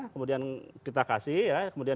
kemudian kita kasih ya kemudian